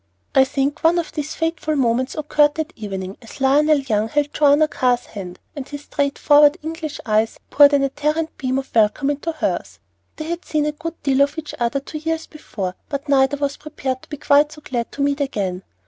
I think one of these fateful moments occurred that evening, as Lionel Young held Joanna Carr's hand, and his straight forward English eyes poured an ardent beam of welcome into hers. They had seen a good deal of each other two years before, but neither was prepared to be quite so glad to meet again.